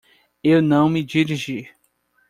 Eu não me dirigi.